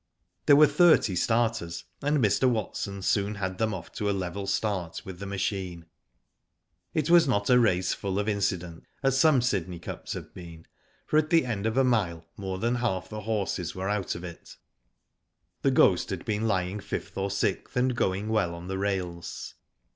There were thirty starters, and Mr. Watson soon had them off to a level start with the machine. It was not a race full of incidents, as some Digitized by Google 268 WHO DID ITf Sydney Cups have been, for at the end of a mile, more than half the horses were out of it. The Ghost had been lying fifth or sixth, and going well on the rails.